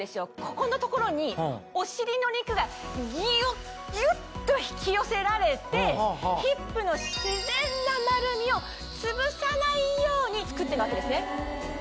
ここの所にお尻の肉がギュギュっと引き寄せられてヒップの自然な丸みを潰さないように作ってるわけですね。